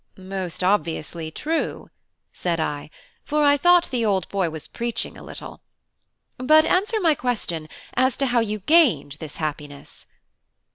"Most obviously true," said I: for I thought the old boy was preaching a little. "But answer my question, as to how you gained this happiness."